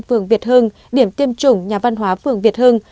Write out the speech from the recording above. phường việt hưng điểm tiêm chủng nhà văn hóa phường việt hưng